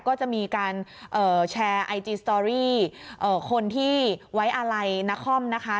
ก็จะมีการแชร์ไอจีสตอรี่คนที่ไว้อาลัยนครนะคะ